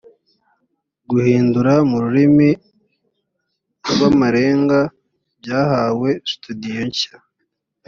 guhindura mu rurimi rw’ amarenga byahawe sitidiyo nshya